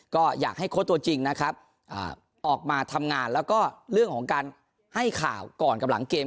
ก็อยากให้โค้ชตัวจริงนะครับออกมาทำงานแล้วก็เรื่องของการให้ข่าวก่อนกับหลังเกม